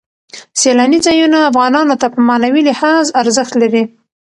سیلاني ځایونه افغانانو ته په معنوي لحاظ ارزښت لري.